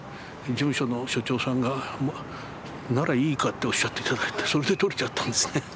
事務所の所長さんが「ならいいか」っておっしゃって頂いてそれでとれちゃったんですね